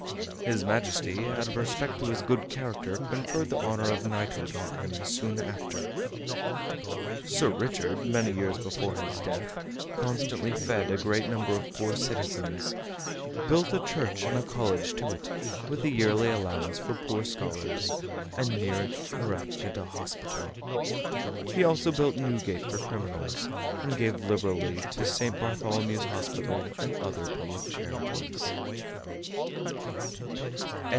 His Majesty, out of respect to his good character, conferred the honor of knighthood on him soon after. Sir Richard many years before his death constantly fed a great number of poor citizens, built a church and a college to it, with a yearly allowance for poor scholars, and near it erected a hospital. He also built Newgate for criminals, and gave liberally to St. Bartholomew's Hospital and other public charities.